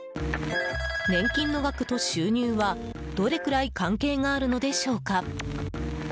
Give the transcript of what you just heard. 年金の額と収入は、どれくらい関係があるのでしょうか。